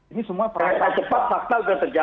ini semua perangkat cepat